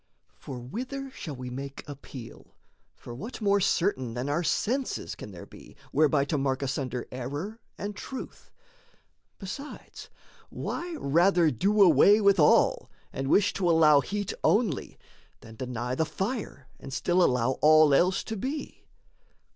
For whither shall we make appeal? for what More certain than our senses can there be Whereby to mark asunder error and truth? Besides, why rather do away with all, And wish to allow heat only, then deny The fire and still allow all else to be?